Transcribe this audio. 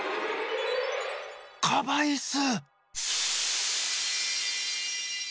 カバイス！